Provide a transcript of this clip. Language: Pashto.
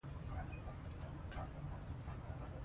افغانستان په ټوله نړۍ کې د سمندر نه شتون له امله پوره شهرت لري.